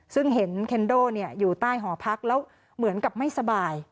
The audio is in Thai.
ซึ่งเห็นเคนโด่อยู่ใต้หอพักแล้วเหมือนกับไม่สบาย